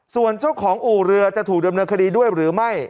ส่วนเจ้าของอู่เรือจะถูกดำเนินคดีด้วยหรือไม่